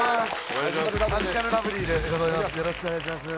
よろしくお願いします